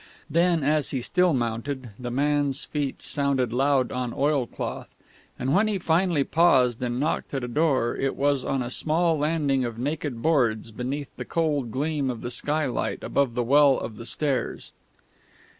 Then, as he still mounted, the young man's feet sounded loud on oilcloth; and when he finally paused and knocked at a door it was on a small landing of naked boards beneath the cold gleam of the skylight above the well of the stairs.